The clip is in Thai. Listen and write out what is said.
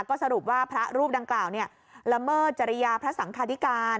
ก็สรุปว่าพระรูปดังกล่าวละเมิดจริยาพระสังคาธิการ